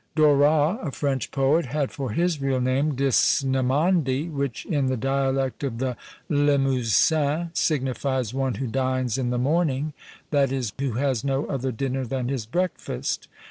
Dorat, a French poet, had for his real name Disnemandi, which, in the dialect of the Limousins, signifies one who dines in the morning; that is, who has no other dinner than his breakfast.